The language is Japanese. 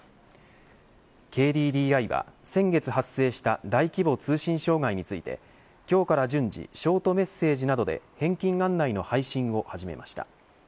ＫＤＤＩは先月発生した大規模通信障害について今日から順次ショートメッセージなどで返金案内の配信を始めました。